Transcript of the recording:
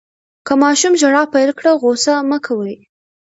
که ماشوم ژړا پیل کړه، غوصه مه کوئ.